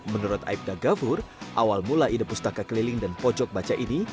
menurut aibda ghafur awal mula ide pustaka keliling dan pojok baca ini